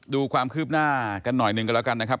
ดูความคืบหน้ากันหน่อยหนึ่งกันแล้วกันนะครับ